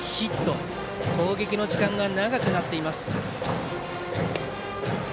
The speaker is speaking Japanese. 愛工大名電の攻撃の時間が長くなっています。